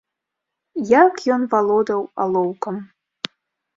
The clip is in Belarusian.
Як ён валодаў алоўкам!